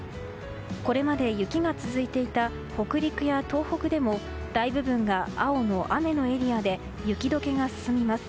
これまで雪が続いていた北陸や東北でも大部分が青の雨のエリアで雪解けが進みます。